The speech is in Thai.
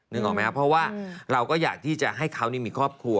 ออกไหมครับเพราะว่าเราก็อยากที่จะให้เขามีครอบครัว